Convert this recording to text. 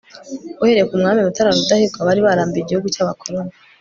uhereye ku mwami mutara rudahigwa bari barambiwe igihugu cy'abakoloni